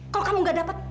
kalau kamu gak dapet